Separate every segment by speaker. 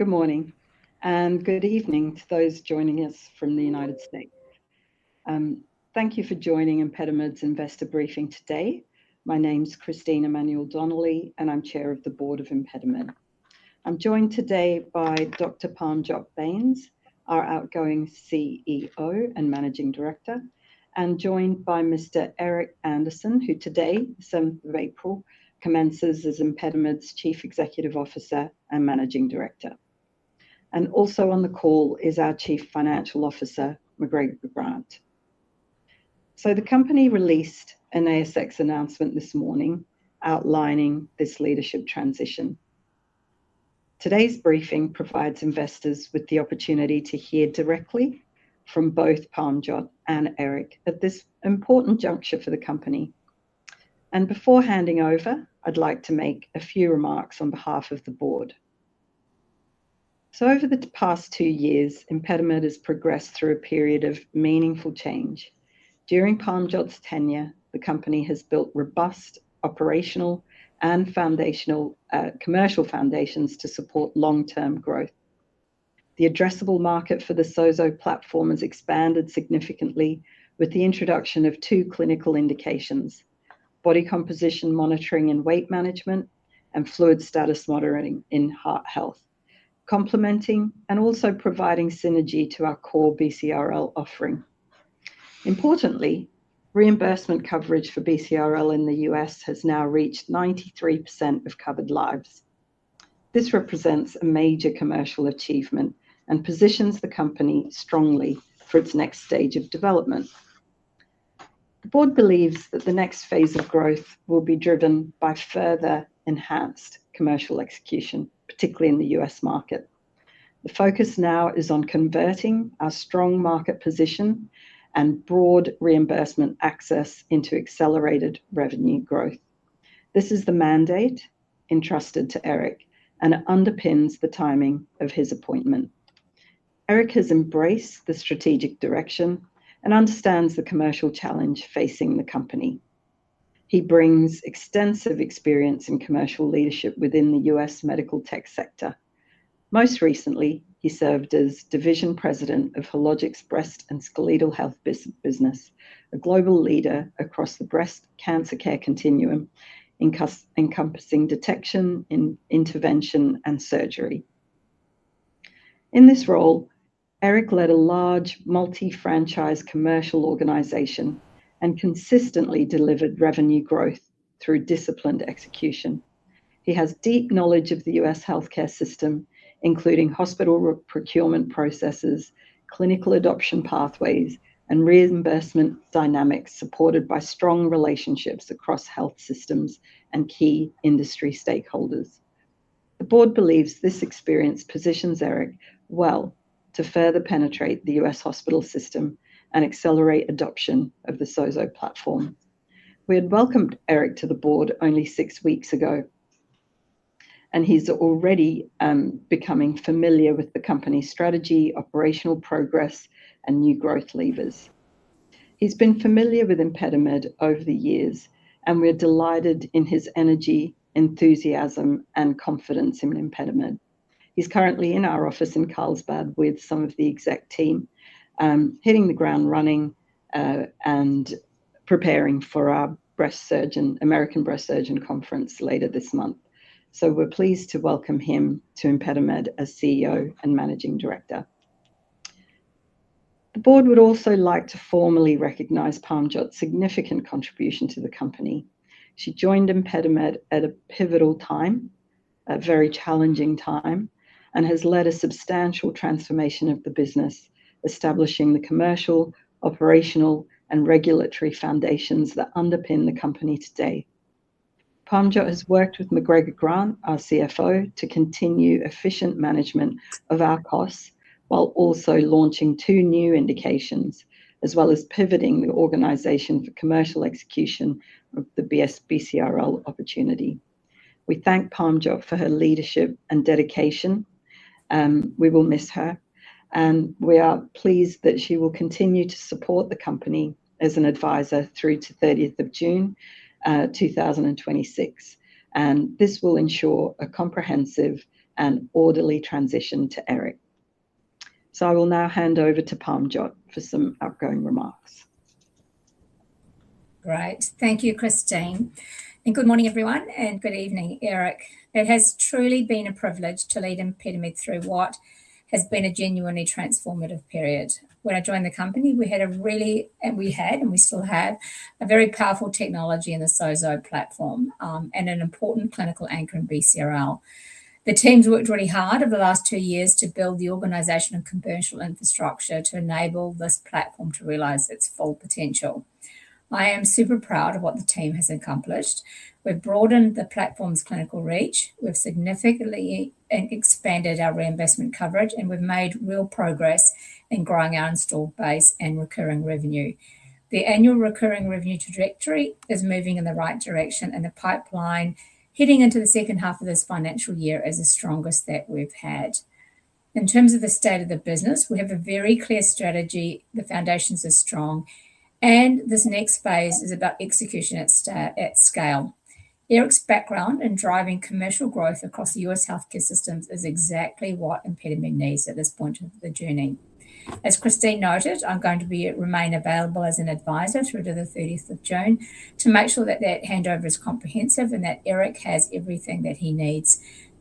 Speaker 1: Good morning, and good evening to those joining us from the United States. Thank you for joining ImpediMed's Investor Briefing today. My name's Christine Emmanuel-Donnelly, and I'm Chair of the Board of ImpediMed. I'm joined today by Dr Parmjot Bains, our outgoing CEO and Managing Director, and joined by Mr Erik Anderson, who today, 7th of April, commences as ImpediMed's Chief Executive Officer and Managing Director. Also on the call is our Chief Financial Officer, McGregor Grant. The company released an ASX announcement this morning outlining this leadership transition. Today's briefing provides investors with the opportunity to hear directly from both Parmjot and Erik at this important juncture for the company. Before handing over, I'd like to make a few remarks on behalf of the board. Over the past two years, ImpediMed has progressed through a period of meaningful change. During Parmjot's tenure, the company has built robust operational and commercial foundations to support long-term growth. The addressable market for the SOZO platform has expanded significantly with the introduction of two clinical indications, body composition monitoring and weight management, and fluid status monitoring in heart health, complementing and also providing synergy to our core BCRL offering. Importantly, reimbursement coverage for BCRL in the U.S. has now reached 93% of covered lives. This represents a major commercial achievement and positions the company strongly for its next stage of development. The board believes that the next phase of growth will be driven by further enhanced commercial execution, particularly in the U.S. market. The focus now is on converting our strong market position and broad reimbursement access into accelerated revenue growth. This is the mandate entrusted to Erik, and it underpins the timing of his appointment. Erik has embraced the strategic direction and understands the commercial challenge facing the company. He brings extensive experience in commercial leadership within the U.S. medical tech sector. Most recently, he served as Division President of Hologic's Breast and Skeletal Health business, a global leader across the breast cancer care continuum, encompassing detection, intervention, and surgery. In this role, Erik led a large multi-franchise commercial organization and consistently delivered revenue growth through disciplined execution. He has deep knowledge of the U.S. healthcare system, including hospital procurement processes, clinical adoption pathways, and reimbursement dynamics, supported by strong relationships across health systems and key industry stakeholders. The board believes this experience positions Erik well to further penetrate the U.S. hospital system and accelerate adoption of the SOZO platform. We had welcomed Erik to the board only six weeks ago, and he's already becoming familiar with the company's strategy, operational progress, and new growth levers. He's been familiar with ImpediMed over the years, and we're delighted in his energy, enthusiasm, and confidence in ImpediMed. He's currently in our office in Carlsbad with some of the exec team, hitting the ground running, and preparing for our American Society of Breast Surgeons conference later this month. We're pleased to welcome him to ImpediMed as CEO and Managing Director. The board would also like to formally recognize Parmjot's significant contribution to the company. She joined ImpediMed at a pivotal time, a very challenging time, and has led a substantial transformation of the business, establishing the commercial, operational, and regulatory foundations that underpin the company today. Parmjot has worked with McGregor Grant, our CFO, to continue efficient management of our costs while also launching two new indications, as well as pivoting the organization for commercial execution of the BCRL opportunity. We thank Parmjot for her leadership and dedication. We will miss her, and we are pleased that she will continue to support the company as an advisor through to 30th of June 2026. This will ensure a comprehensive and orderly transition to Erik. I will now hand over to Parmjot for some outgoing remarks.
Speaker 2: Great. Thank you, Christine, and good morning, everyone, and good evening, Erik. It has truly been a privilege to lead ImpediMed through what has been a genuinely transformative period. When I joined the company, we had, and we still have, a very powerful technology in the SOZO platform, and an important clinical anchor in BCRL. The team's worked really hard over the last two years to build the organization and commercial infrastructure to enable this platform to realize its full potential. I am super proud of what the team has accomplished. We've broadened the platform's clinical reach, we've significantly expanded our reimbursement coverage, and we've made real progress in growing our installed base and recurring revenue. The annual recurring revenue trajectory is moving in the right direction, and the pipeline heading into the second half of this financial year is the strongest that we've had. In terms of the state of the business, we have a very clear strategy. The foundations are strong, and this next phase is about execution at scale. Erik's background in driving commercial growth across the U.S. healthcare systems is exactly what ImpediMed needs at this point of the journey. As Christine noted, I'm going to remain available as an advisor through to the 30th of June to make sure that that handover is comprehensive and that Erik has everything that he needs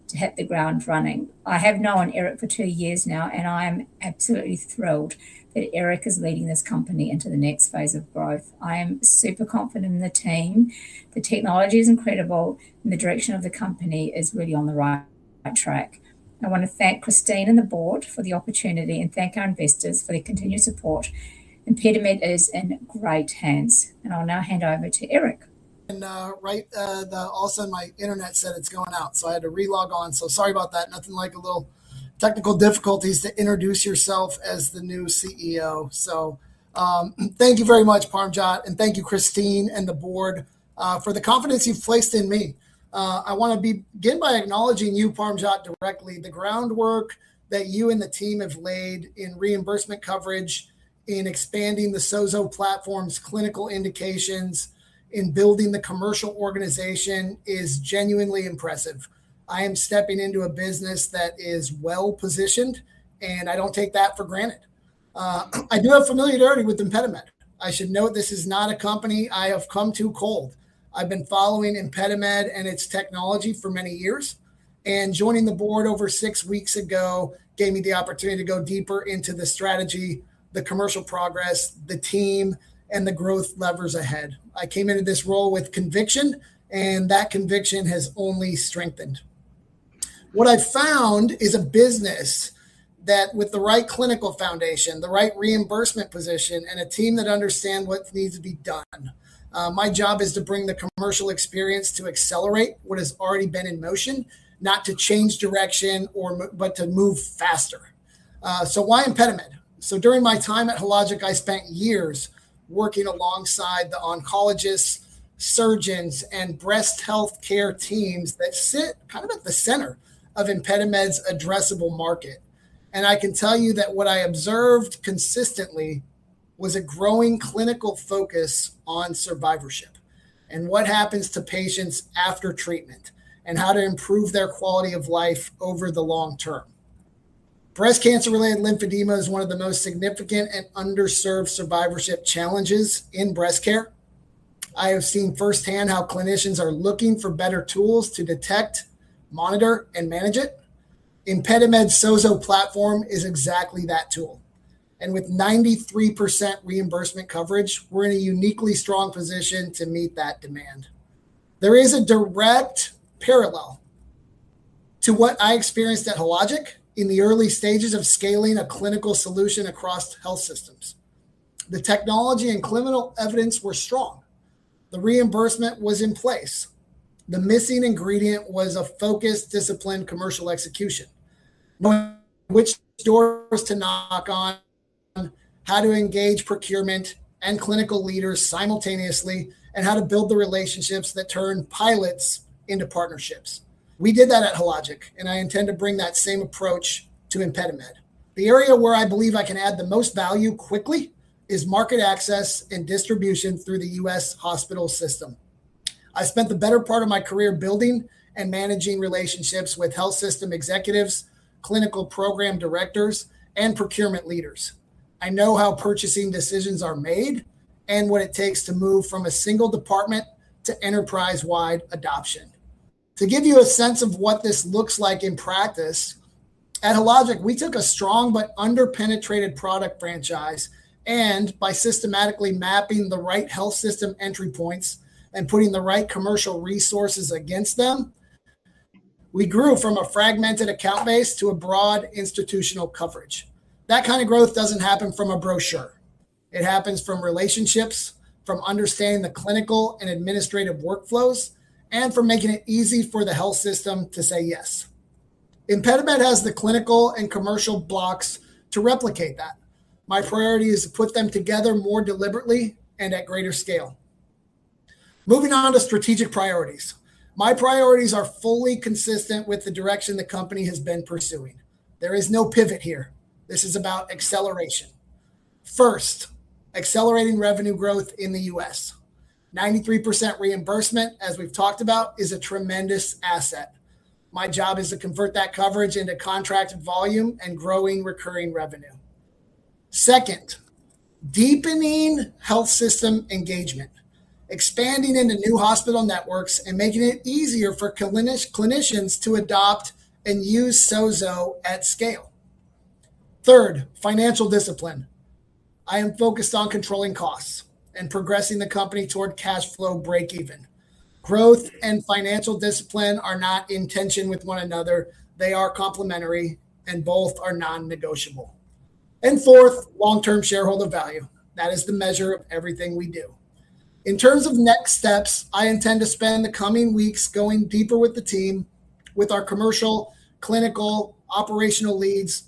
Speaker 2: to hit the ground running. I have known Erik for two years now, and I am absolutely thrilled that Erik is leading this company into the next phase of growth. I am super confident in the team. The technology is incredible, and the direction of the company is really on the right track. I want to thank Christine and the board for the opportunity and thank our investors for their continued support. ImpediMed is in great hands. I'll now hand over to Erik.
Speaker 3: All of a sudden my internet said it's going out, so I had to re-log on. Sorry about that. Nothing like a little technical difficulties to introduce yourself as the new CEO. Thank you very much, Parmjot, and thank you, Christine and the board, for the confidence you've placed in me. I want to begin by acknowledging you, Parmjot, directly. The groundwork that you and the team have laid in reimbursement coverage, in expanding the SOZO platform's clinical indications, in building the commercial organization is genuinely impressive. I am stepping into a business that is well-positioned, and I don't take that for granted. I do have familiarity with ImpediMed. I should note this is not a company I have come to cold. I've been following ImpediMed and its technology for many years, and joining the board over six weeks ago gave me the opportunity to go deeper into the strategy, the commercial progress, the team, and the growth levers ahead. I came into this role with conviction, and that conviction has only strengthened. What I've found is a business that with the right clinical foundation, the right reimbursement position, and a team that understand what needs to be done. My job is to bring the commercial experience to accelerate what has already been in motion, not to change direction, but to move faster. Why ImpediMed? During my time at Hologic, I spent years working alongside the oncologists, surgeons, and breast healthcare teams that sit kind of at the center of ImpediMed's addressable market. I can tell you that what I observed consistently was a growing clinical focus on survivorship and what happens to patients after treatment, and how to improve their quality of life over the long term. Breast cancer-related lymphedema is one of the most significant and underserved survivorship challenges in breast care. I have seen firsthand how clinicians are looking for better tools to detect, monitor, and manage it. ImpediMed's SOZO platform is exactly that tool. With 93% reimbursement coverage, we're in a uniquely strong position to meet that demand. There is a direct parallel to what I experienced at Hologic in the early stages of scaling a clinical solution across health systems. The technology and clinical evidence were strong. The reimbursement was in place. The missing ingredient was a focused, disciplined, commercial execution. Knowing which doors to knock on, how to engage procurement and clinical leaders simultaneously, and how to build the relationships that turn pilots into partnerships. We did that at Hologic, and I intend to bring that same approach to ImpediMed. The area where I believe I can add the most value quickly is market access and distribution through the U.S. hospital system. I spent the better part of my career building and managing relationships with health system executives, clinical program directors, and procurement leaders. I know how purchasing decisions are made and what it takes to move from a single department to enterprise-wide adoption. To give you a sense of what this looks like in practice, at Hologic, we took a strong but under-penetrated product franchise, and by systematically mapping the right health system entry points and putting the right commercial resources against them, we grew from a fragmented account base to a broad institutional coverage. That kind of growth doesn't happen from a brochure. It happens from relationships, from understanding the clinical and administrative workflows, and from making it easy for the health system to say yes. ImpediMed has the clinical and commercial blocks to replicate that. My priority is to put them together more deliberately and at greater scale. Moving on to strategic priorities. My priorities are fully consistent with the direction the company has been pursuing. There is no pivot here. This is about acceleration. First, accelerating revenue growth in the U.S. 93% reimbursement, as we've talked about, is a tremendous asset. My job is to convert that coverage into contract volume and growing recurring revenue. Second, deepening health system engagement, expanding into new hospital networks, and making it easier for clinicians to adopt and use SOZO at scale. Third, financial discipline. I am focused on controlling costs and progressing the company toward cash flow breakeven. Growth and financial discipline are not in tension with one another. They are complementary, and both are non-negotiable. Fourth, long-term shareholder value. That is the measure of everything we do. In terms of next steps, I intend to spend the coming weeks going deeper with the team, with our commercial, clinical, operational leads,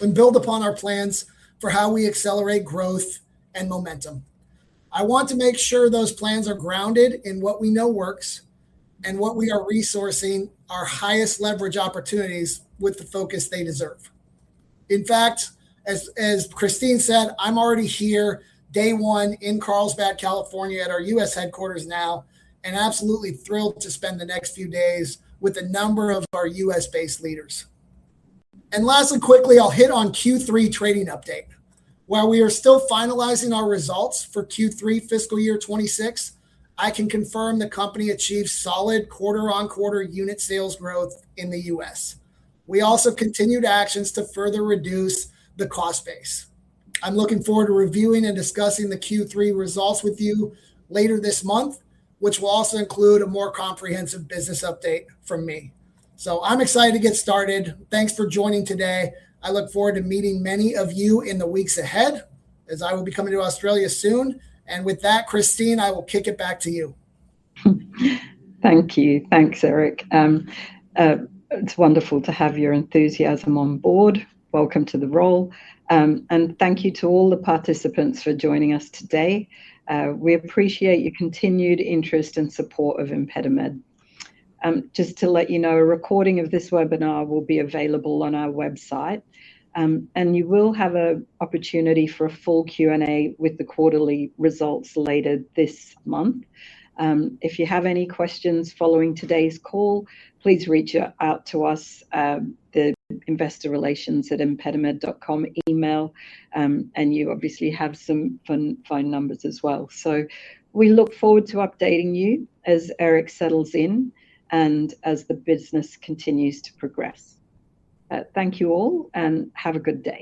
Speaker 3: and build upon our plans for how we accelerate growth and momentum. I want to make sure those plans are grounded in what we know works and what we are resourcing our highest leverage opportunities with the focus they deserve. In fact, as Christine said, I'm already here, day one in Carlsbad, California at our U.S. headquarters now, and absolutely thrilled to spend the next few days with a number of our U.S.-based leaders. Lastly, quickly, I'll hit on Q3 trading update. While we are still finalizing our results for Q3 FY 2026, I can confirm the company achieved solid quarter-on-quarter unit sales growth in the U.S. We also continued actions to further reduce the cost base. I'm looking forward to reviewing and discussing the Q3 results with you later this month, which will also include a more comprehensive business update from me. I'm excited to get started. Thanks for joining today. I look forward to meeting many of you in the weeks ahead, as I will be coming to Australia soon. With that, Christine, I will kick it back to you.
Speaker 1: Thank you. Thanks, Erik. It's wonderful to have your enthusiasm on board. Welcome to the role. Thank you to all the participants for joining us today. We appreciate your continued interest and support of ImpediMed. Just to let you know, a recording of this webinar will be available on our website. You will have an opportunity for a full Q&A with the quarterly results later this month. If you have any questions following today's call, please reach out to us, the investorrelations@impedimed.com email, and you obviously have some phone numbers as well. We look forward to updating you as Erik settles in and as the business continues to progress. Thank you all, and have a good day.